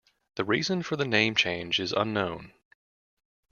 The reason for the name change is unknown.